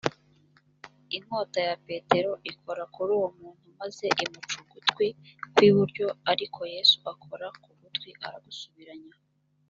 inkota ya petero ikora kuri uwo muntu maze imuca ugutwi kw’ iburyo ariko yesu akora ku gutwi aragusubiranya